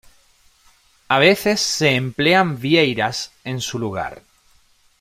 A veces se emplean vieiras en su lugar.